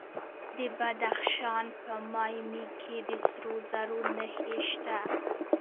د بدخشان په مایمي کې د سرو زرو نښې شته.